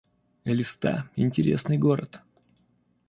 Элиста — интересный город